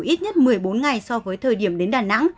ít nhất một mươi bốn ngày so với thời điểm đến đà nẵng